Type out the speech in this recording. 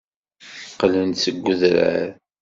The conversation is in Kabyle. Qqlen-d seg udrar.